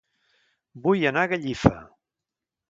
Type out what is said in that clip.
Vull anar a Gallifa